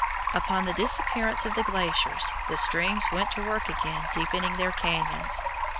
Upon the disappearance of the glaciers, the streams went to work again deepening their cañons.